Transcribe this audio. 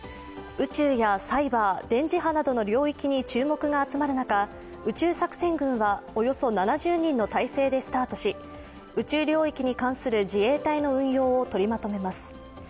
宇宙やサイバー、電磁波などの領域に注目が集まる中、宇宙作戦群はおよそ７０人の体制でスタートし宇宙領域に関する自衛隊の運用を取りまとめます。